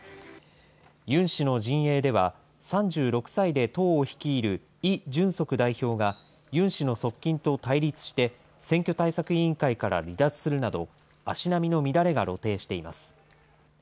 ユン氏の陣営では、３６歳で党を率いるイ・ジュンソク代表がユン氏の側近と対立して、選挙対策委員会から離脱するなど、足並みの乱れが露呈しています。